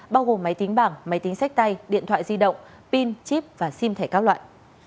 bao gồm máy tính bảng máy tính sách tay điện thoại di động pin chip và sim thẻ các loại